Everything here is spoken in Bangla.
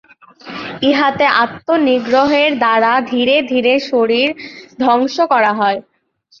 ইহাতে আত্ম- নিগ্রহের দ্বারা ধীরে ধীরে শরীর ধ্বংস করা হয়।